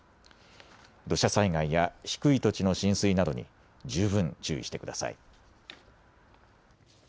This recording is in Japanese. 土砂災害や低い土地の浸水などに十分注意してください。